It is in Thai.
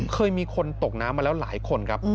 เคยมีคนตกน้ำมาแล้วหลายคนครับ